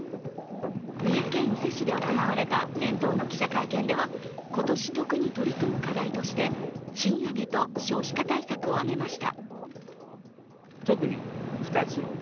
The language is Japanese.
三重県伊勢市で行われた年頭の記者会見では今年特に取り組む課題として賃上げと、少子化対策を挙げました。